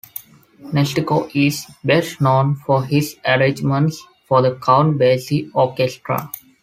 Nestico is best known for his arrangements for the Count Basie orchestra.